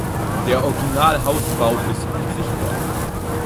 Der Original-Hausbaum ist gut sichtbar.